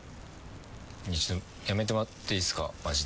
やめてもらっていいですかマジで。